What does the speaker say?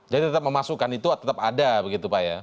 jadi tetap memasukkan itu tetap ada begitu pak ya